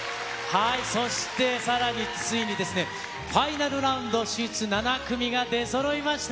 そして、さらについにファイナルラウンド進出７組が出そろいました。